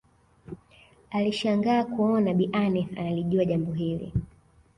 Alishangaa kuona Bi Aneth analijua jambo hili